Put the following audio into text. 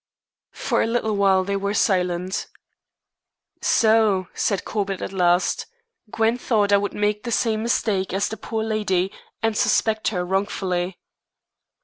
For a little while they were silent. "So," said Corbett at last, "Gwen thought I would make the same mistake as the poor lady, and suspect her wrongfully."